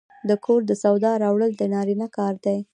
د کور د سودا راوړل د نارینه کار دی.